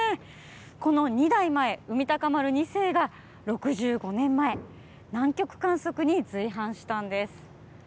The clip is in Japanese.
この２代前「海鷹丸２世」が６５年前南極観測に随伴したんです。